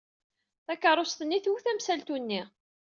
Takeṛṛust-nni twet amsaltu-nni.